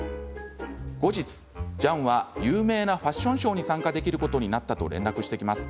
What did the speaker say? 後日、ジャンは有名なファッションショーに参加できることになったと連絡してきます。